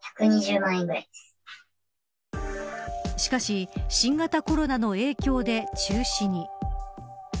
しかし新型コロナの影響で中止に。